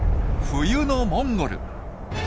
冬のモンゴル。